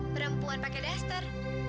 perempuan pakai duster